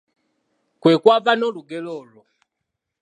Kwe kwava n'olugero olwo.